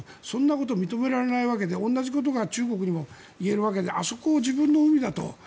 そんなことは認められないわけで同じことが中国にも言えるわけであそこを自分の海だと。